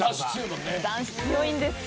男子強いんです。